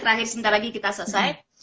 terakhir sebentar lagi kita selesai